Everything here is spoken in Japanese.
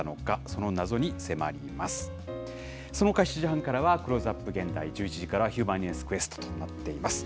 そのほか７時半からはクローズアップ現代、１１時からはヒューマニエンスＱとなっています。